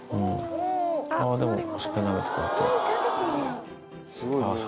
あっ、でも、しっかりなめてくれて。